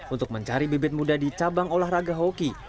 untuk mencari bibit muda di cabang olahraga hoki